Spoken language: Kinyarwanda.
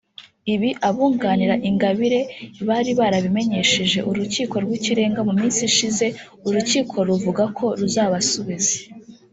Ibi abunganira Ingabire bari barabimenyesheje Urukiko rw’Ikirenga mu minsi ishize urukiko ruvuga ko ruzabasubiza